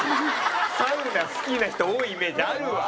サウナ好きな人多いイメージあるわ。